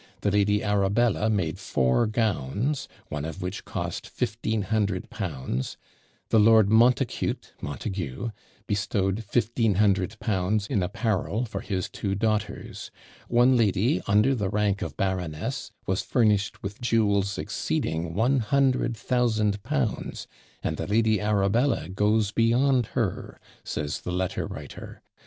The Lady Arabella made four gowns, one of which cost 1500_l._ The Lord Montacute (Montague) bestowed 1500_l._ in apparel for his two daughters. One lady, under the rank of baroness, was furnished with jewels exceeding one hundred thousand pounds; "and the Lady Arabella goes beyond her," says the letter writer.